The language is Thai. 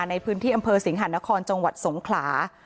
ในพื้นที่อำเภอสิงหานครจังหวัดสงขลา